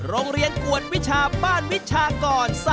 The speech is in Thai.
โรงเรียนกวนวิชาบ้านวิชากร